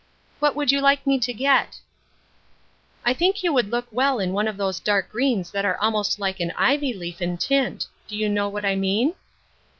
" What would you like me to get ?"" I think you would look well in one of those dark greens that are almost like an ivy leaf in tint. Do you know what I mean